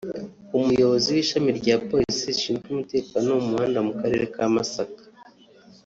Umuyobozi w’ishami rya Polisi rishinzwe umutekano wo mu muhanda mu karere ka Masaka